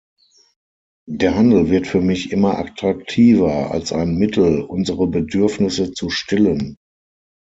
Der Handel wird für mich immer attraktiver als ein Mittel, unsere Bedürfnisse zu stillen.